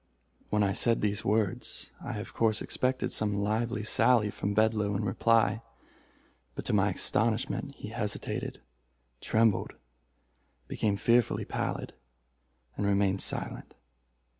When I said these words, I of course expected some lively sally from Bedloe in reply, but, to my astonishment, he hesitated, trembled, became fearfully pallid, and remained silent.